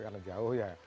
karena jauh ya